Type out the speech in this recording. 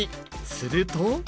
すると。